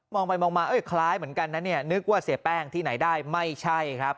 องไปมองมาเอ้ยคล้ายเหมือนกันนะเนี่ยนึกว่าเสียแป้งที่ไหนได้ไม่ใช่ครับ